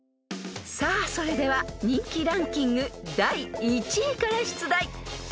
［さあそれでは人気ランキング第１位から出題］